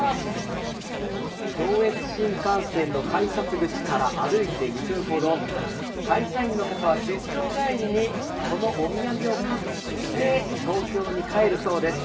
上越新幹線の改札口から歩いて２分ほど、会社員の方は出張帰りに、このお土産を買って東京に帰るそうです。